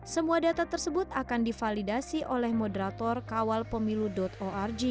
semua data tersebut akan divalidasi oleh moderator kawalpemilu org